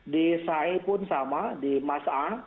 di sai pun sama di mas a